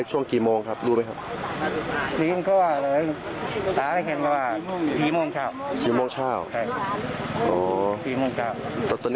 ใช่พยายามเฮ็ดไปหาของหาเฮ็ด